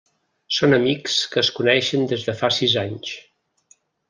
Són amics que es coneixen des de fa si anys.